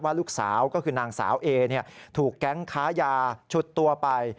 ลูกสาวก็คือนางสาวเอถูกแก๊งค้ายาฉุดตัวไป